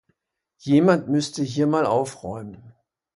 Jemand müßte hier mal aufräumen.